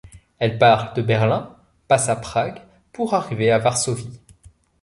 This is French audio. Elle part de Berlin, passe à Prague, pour arriver à Varsovie.